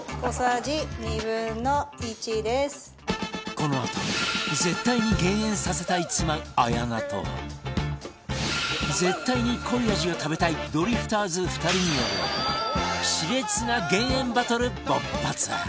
このあと絶対に減塩させたい妻綾菜と絶対に濃い味が食べたいドリフターズ２人による熾烈な減塩バトル勃発！